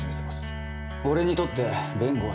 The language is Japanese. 俺にとって弁護は治療だ。